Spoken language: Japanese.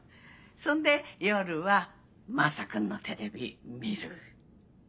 そんで夜はまさ君のテレビ見る。